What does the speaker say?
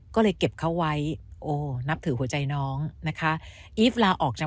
ก็เลยเก็บเขาไว้โอ้นับถือหัวใจน้องนะคะอีฟลาออกจาก